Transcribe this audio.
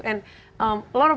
dan banyak orang